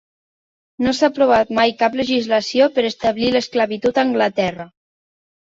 No s'ha aprovat mai cap legislació per establir l'esclavitud a Anglaterra.